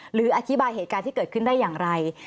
หรืออธิบายเหตุการณ์ที่เกิดขึ้นได้อย่างไร